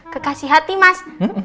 kekasih hati mas